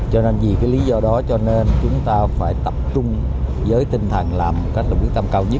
cho nên vì cái lý do đó cho nên chúng ta phải tập trung với tinh thần làm một cách là quyết tâm cao nhất